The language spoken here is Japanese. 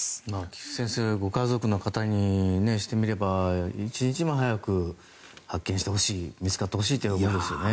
菊地先生ご家族の方にしてみれば一日も早く発見してほしい見つかってほしいという思いですよね。